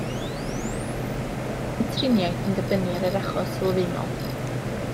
Mae triniaeth yn dibynnu ar yr achos sylfaenol.